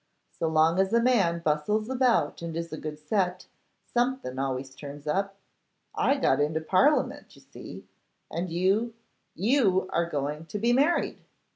So long as a man bustles about and is in a good set, something always turns up. I got into Parliament, you see; and you, you are going to be married.